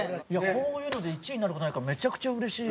こういうので１位になる事ないからめちゃくちゃうれしい。